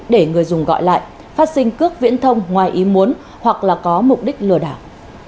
để người dùng gọi lại phát sinh cước viễn thông ngoài ý muốn hoặc là có mục đích lừa đảo